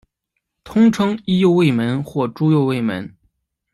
通称伊又卫门或猪右卫门。